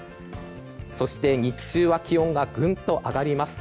そして、日中は気温がぐんと上がります。